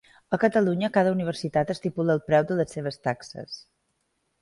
A Catalunya cada universitat estipula el preu de les seves taxes